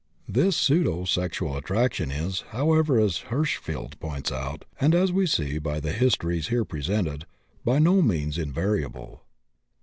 This pseudosexual attraction is, however, as Hirschfeld points out, and as we see by the Histories here presented, by no means invariable.